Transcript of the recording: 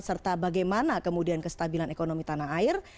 serta bagaimana kemudian kestabilan ekonomi tanah air